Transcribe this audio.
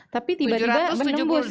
tapi tiba tiba menembus